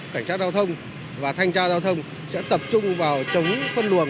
cảnh sát giao thông và thanh tra giao thông sẽ tập trung vào chống phân luồng